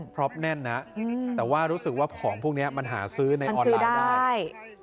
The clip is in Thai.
เพราะแน่นนะแต่ว่ารู้สึกว่าของพวกนี้มันหาซื้อในออนไลน์ได้